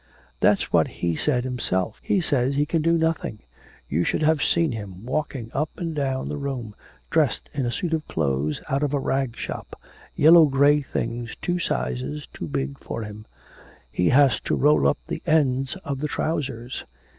'That's what he said himself. He says he can do nothing you should have seen him walking up and down the room, dressed in a suit of clothes out of a rag shop, yellow grey things two sizes too big for him; he has to roll up the ends of the trousers.